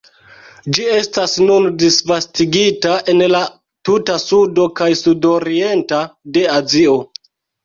Ĝi estas nun disvastigita en la tuta sudo kaj sudoriento de Azio.